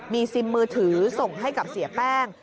มีซิมมือถือส่งให้กับเสียแป้ง